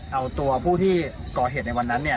เอาตัวผู้ที่ก่อเหตุในวันนั้น